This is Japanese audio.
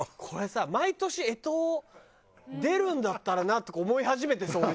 これさ毎年干支出るんだったらなとか思い始めてさ